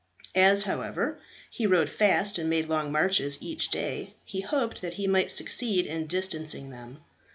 As, however, he rode fast, and made long marches each day, he hoped that he might succeed in distancing them.